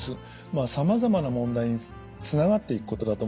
まあさまざま問題につながっていくことだと思います。